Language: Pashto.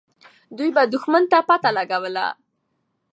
دوی به دښمن ته پته لګوله.